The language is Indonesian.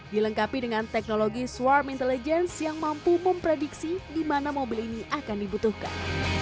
dilengkapi dengan teknologi swarm intelligence yang mampu memprediksi di mana mobil ini akan dibutuhkan